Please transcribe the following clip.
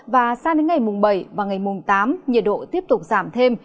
và sang đến ngày bảy và ngày tám nhiệt độ tiếp tục giảm thêm